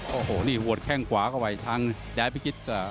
โอ้โหนี่หัวแข้งขวาก็ไหวทั้งแดดพิชิต